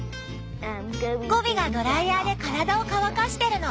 ゴビがドライヤーで体を乾かしてるの。